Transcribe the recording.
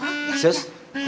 mari jembega mari